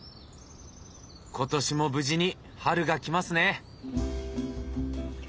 今年も無事に春が来ますね。